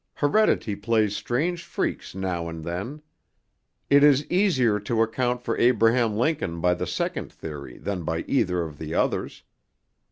Heredity plays strange freaks now and then. It is easier to account for Abraham Lincoln by the second theory than by either of the others.